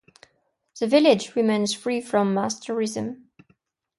The village remains free from mass tourism.